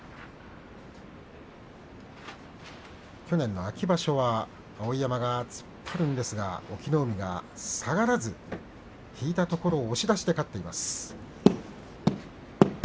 去年の秋場所は碧山が突っ張って隠岐の海、下がらず引いたところを押し出して隠岐の海が勝っています。